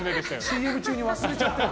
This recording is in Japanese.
ＣＭ中に忘れちゃってる。